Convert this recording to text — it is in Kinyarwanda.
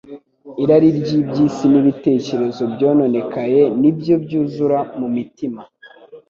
Irari ry'iby'isi n'ibitekerezo byononekaye ni byo byuzura mu mitima.